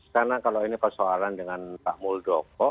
karena kalau ini persoalan dengan pak muldoko